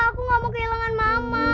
aku gak mau kehilangan mama